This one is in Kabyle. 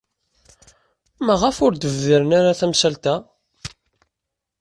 Maɣef ur d-bdiren ara tamsalt-a?